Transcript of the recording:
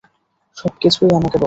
সবকিছুই আমাকে বলে।